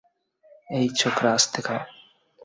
এই, ছোকরা, আস্তে খাও।